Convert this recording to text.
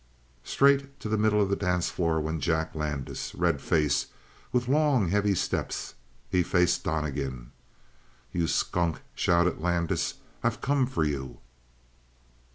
Straight to the middle of the dance floor went Jack Landis, red faced, with long, heavy steps. He faced Donnegan. "You skunk!" shouted Landis. "I've come for you!"